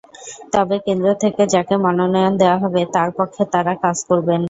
তবে কেন্দ্র থেকে যাঁকে মনোনয়ন দেওয়া হবে তাঁর পক্ষে তাঁরা কাজ করবেন।